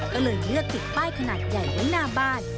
ก็เลยเลือกติดป้ายขนาดใหญ่ไว้หน้าบ้าน